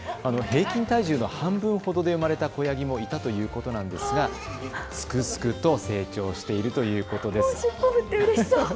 平均体重の半分ほどで生まれた子ヤギもいたということなんですがすくすくと成長しているということです。